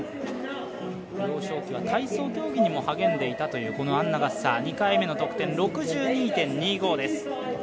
幼少期は体操競技にも励んでいたというアンナ・ガッサー２回目の得点６２．２５です。